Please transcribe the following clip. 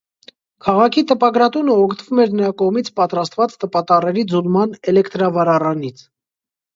Քաղաքի տպագրատունը օգտվում էր նրա կողմից պատրաստված տպատառերի ձուլման էլեկտրավառարանից։